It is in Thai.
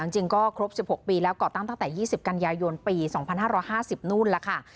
อันจริงก็ครบสิบหกปีแล้วก็ตั้งตั้งแต่ยี่สิบกันยายนปีสองพันห้าร้อยห้าสิบนู่นละค่ะ